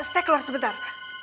saya keluar sebentar